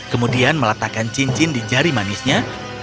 kemudian meletakkan cincin di jari manisnya